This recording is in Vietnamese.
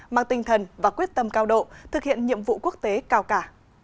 mang tinh thần và quyết tâm cao độ thực hiện nhiệm vụ quốc tế cao cả